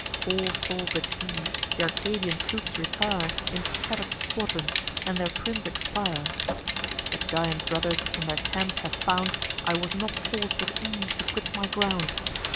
All saw, but he, th' Arcadian troops retire In scatter'd squadrons, and their prince expire. The giant brothers, in their camp, have found, I was not forc'd with ease to quit my ground.